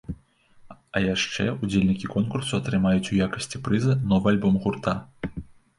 А яшчэ ўдзельнікі конкурсу атрымаюць у якасці прыза новы альбом гурта.